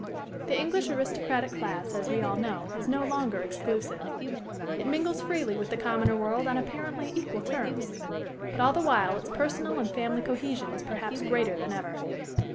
The English aristocratic class, as we all know, is no longer exclusive. It mingles freely with the commoner world on apparently equal terms. But all the while its personal and family cohesion is perhaps greater than ever.